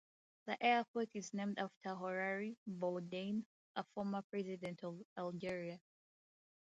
The airport is named after Houari Boumediene, a former president of Algeria.